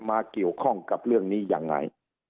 มาเกี่ยวข้องกับเรื่องนี้ยังไง